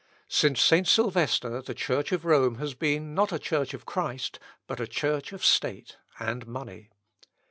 Since St. Sylvester the Church of Rome has been, not a church of Christ, but a church of State and money.